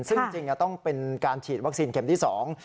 ซึ่งจริงต้องเป็นการฉีดวัคซีนเข็มที่สอง